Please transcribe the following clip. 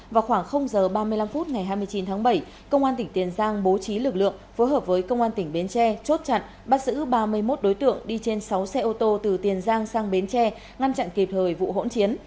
vào khoảng h ba mươi năm phút ngày hai mươi chín tháng bảy công an tỉnh tiền giang bố trí lực lượng phối hợp với công an tỉnh bến tre chốt chặn bắt giữ ba mươi một đối tượng đi trên sáu xe ô tô từ tiền giang sang bến tre ngăn chặn kịp thời vụ hỗn chiến